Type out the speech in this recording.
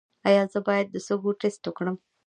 ایا زه باید د سږو ټسټ وکړم؟